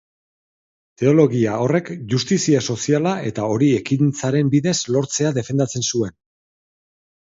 Teologia horrek justizia soziala eta hori ekintzaren bidez lortzea defendatzen zuen.